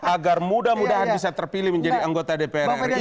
agar mudah mudahan bisa terpilih menjadi anggota dpr ri